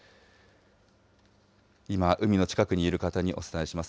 今、海の近くにいる方にお伝えします。